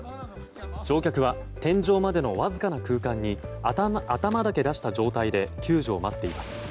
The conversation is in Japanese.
乗客は天井までのわずかな空間に頭だけ出した状態で救助を待っています。